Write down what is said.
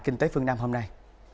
kinh tế phương nam hôm nay